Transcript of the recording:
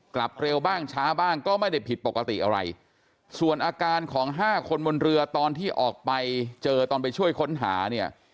กลับเร็วบ้างช้าบ้างก็ไม่ได้ผิดปกติอะไรส่วนอาการของห้าคนบนเรือตอนที่ออกไปเจอตอนไปช่วยค้นหาเนี่ย